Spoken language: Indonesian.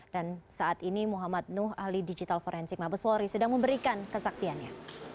dan saat ini muhammad nuh ahli digital forensik mabeswori sedang memberikan kesaksiannya